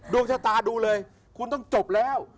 ดวงชะตาดูเลยคุณต้องจบแล้ว